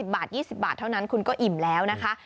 บาท๒๐บาทเท่านั้นคุณก็อิ่มแล้วนะคะ